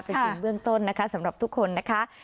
เป็นทีมเบื้องต้นนะคะสำหรับทุกคนนะคะ